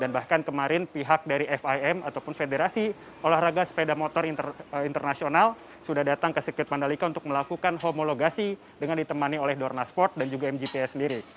dan juga dikatakan kemarin pihak dari fim ataupun federasi olahraga sepeda motor internasional sudah datang ke sirkuit mandalika untuk melakukan homologasi dengan ditemani oleh dornasport dan juga mgps sendiri